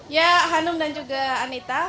ya hanum dan juga anita